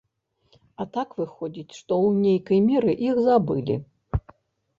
А так выходзіць, што ў нейкай меры іх забылі.